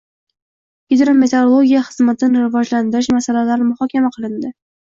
Gidrometeorologiya xizmatini rivojlantirish masalalari muhokama qilindi